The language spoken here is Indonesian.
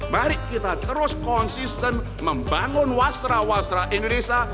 mari kita terus konsisten membangun wasra wasra indonesia